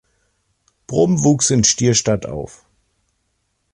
Brum wuchs in Stierstadt auf.